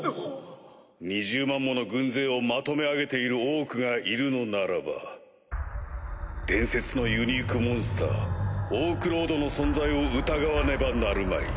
２０万もの軍勢をまとめ上げているオークがいるのならば伝説のユニークモンスターオークロードの存在を疑わねばなるまい。